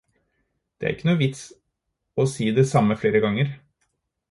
Det er ikke noe vits å si det samme flere ganger.